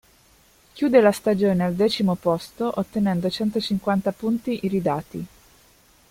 Chiude la stagione al decimo posto, ottenendo centocinquanta punti iridati.